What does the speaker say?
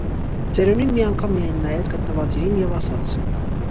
Ծերունին մի անգամ միայն նայեց գտնված իրին և ասաց.